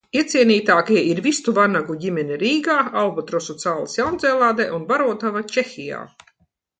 Iecienītākie ir vistu vanagu ģimene Rīgā, albatrosa cālis Jaunzēlandē un barotava Čehijā.